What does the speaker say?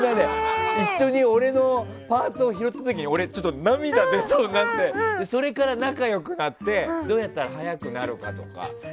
俺のパーツを拾った時に涙出そうになってそれから仲良くなってどうやったら速くなるとか。